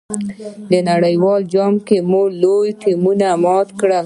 نړیوال جام کې مو لوی ټیمونه مات کړل.